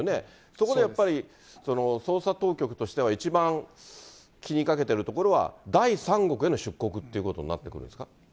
そこでやっぱり、捜査当局としては一番気にかけてるところは、第三国への出国ということになってくるんですか？